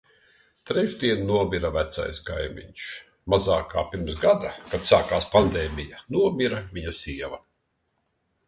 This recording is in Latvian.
Trešdien nomira vecais kaimiņš. Mazāk kā pirms gada, kad sākās pandēmija, nomira viņa sieva.